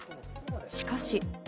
しかし。